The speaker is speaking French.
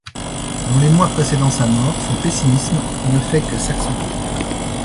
Dans les mois précédant sa mort, son pessimisme ne fait que s'accentuer.